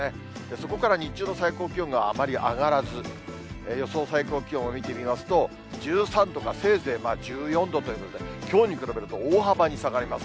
そこから日中の最高気温があまり上がらず、予想最高気温を見てみますと、１３度か、せいぜい１４度ということで、きょうに比べると大幅に下がります。